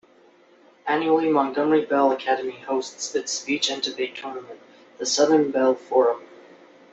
Annually, Montgomery Bell Academy hosts its speech and debate tournament, the Southern Bell Forum.